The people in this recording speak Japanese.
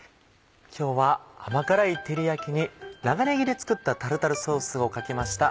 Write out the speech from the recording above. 今日は甘辛い照り焼きに長ねぎで作ったタルタルソースをかけました